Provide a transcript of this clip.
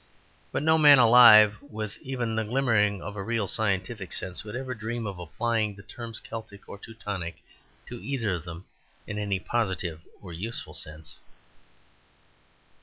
But no man alive, with even the glimmering of a real scientific sense, would ever dream of applying the terms "Celtic" or "Teutonic" to either of them in any positive or useful sense.